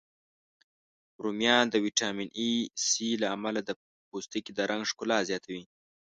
رومیان د ویټامین C، A، له امله د پوستکي د رنګ ښکلا زیاتوی